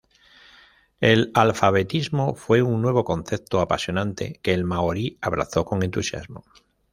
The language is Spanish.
El alfabetismo fue un nuevo concepto apasionante, que el maorí abrazó con entusiasmo.